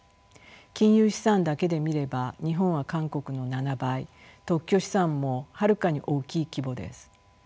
金融資産だけで見れば日本は韓国の７倍特許資産もはるかに大きい規模です。